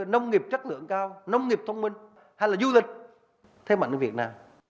nông nghiệp chất lượng cao nông nghiệp thông minh hay là du lịch thế mạnh ở việt nam